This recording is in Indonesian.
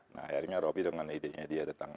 nah akhirnya robby dengan idenya dia tentang